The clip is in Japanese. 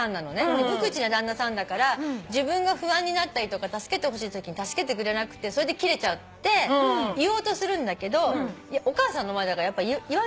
無口な旦那さんだから自分が不安になったりとか助けてほしいときに助けてくれなくてそれでキレちゃって言おうとするんだけどお母さんの前だからやっぱ言わないわけよ。